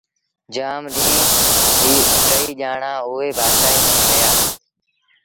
جآم ڏيݩهݩ اي ٽئيٚ ڄآڻآݩ اُئي بآشآئيٚ ميݩ رهيآ